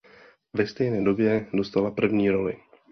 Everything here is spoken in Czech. Ve stejné době dostala první roli.